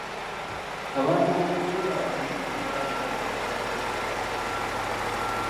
Abantu abeefuula abayambi bangi babeera bafere.